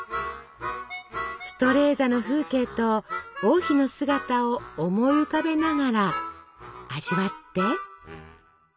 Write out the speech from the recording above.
ストレーザの風景と王妃の姿を思い浮かべながら味わって。